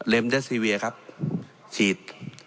เดสซีเวียครับฉีด